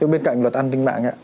bên cạnh luật an ninh mạng ạ